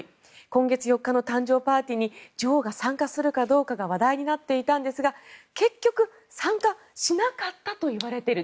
今月４日の誕生パーティーに女王が参加するかどうかが話題になっていたんですが結局、参加しなかったといわれている。